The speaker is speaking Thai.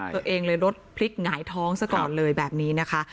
ตัวเองเลยรถพลิกหงายท้องซะก่อนเลยแบบนี้นะคะ